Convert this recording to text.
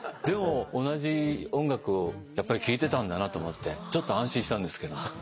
でも同じ音楽をやっぱり聴いてたんだなと思ってちょっと安心したんですけど。